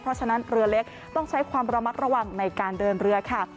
เพราะฉะนั้นเรือเล็กต้องใช้ความระมัดระวังในการเดินเรือค่ะ